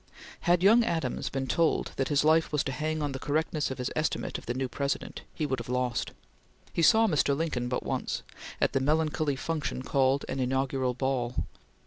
Had young Adams been told that his life was to hang on the correctness of his estimate of the new President, he would have lost. He saw Mr. Lincoln but once; at the melancholy function called an Inaugural Ball.